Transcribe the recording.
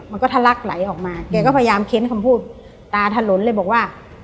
มันก็ทะลักไหลออกมาแกก็พยายามเค้นคำพูดตาถลนเลยบอกว่า